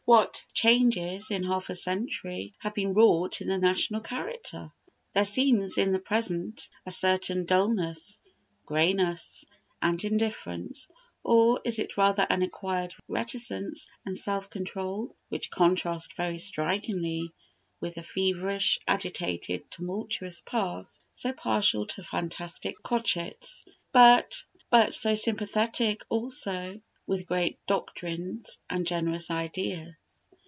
What changes, in half a century, have been wrought in the national character! There seems in the present a certain dulness, greyness, and indifference, or is it rather an acquired reticence and self control? which contrast very strikingly with the feverish, agitated, tumultuous past, so partial to fantastic crotchets, but so sympathetic also with great doctrines and generous ideas.